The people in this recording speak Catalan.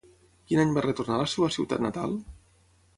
Quin any va retornar a la seva ciutat natal?